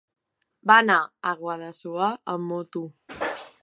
Va anar a Guadassuar amb moto.